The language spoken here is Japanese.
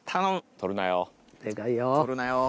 取るなよ。